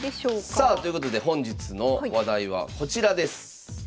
さあということで本日の話題はこちらです。